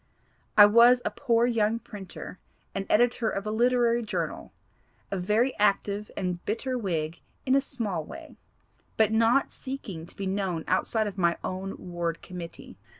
I was a poor young printer, and editor of a literary journal a very active and bitter Whig in a small way, but not seeking to be known outside of my own ward committee.